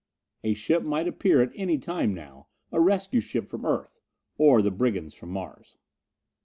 A ship might appear at any time now a rescue ship from Earth, or the brigands from Mars.